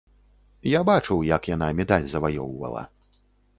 Я бачыў, як яна медаль заваёўвала.